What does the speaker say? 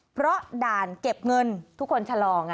เพราะด่านเก็บเงินทุกคนชะลอไง